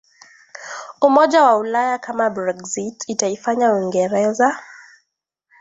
umoja wa Ulaya Kama Brexit itaifanya Uingereza